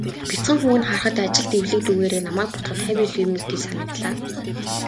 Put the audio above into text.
Бяцхан хүүг нь харахад, ажилд эвлэг дүйгээрээ намайг бодоход хавь илүү юм гэж санагдлаа.